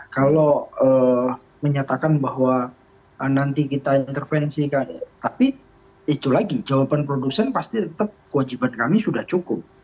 kalau menyatakan bahwa nanti kita intervensi tapi itu lagi jawaban produsen pasti tetap kewajiban kami sudah cukup